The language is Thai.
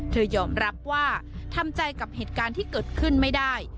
ยอมรับว่าทำใจกับเหตุการณ์ที่เกิดขึ้นไม่ได้